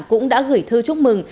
cũng đã gửi thư chúc mừng